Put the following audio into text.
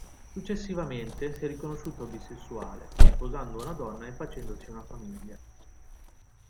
Successivamente si è riconosciuto bisessuale, sposando una donna e facendosi una famiglia.